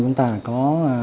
chúng ta có